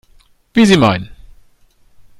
Wie Sie meinen.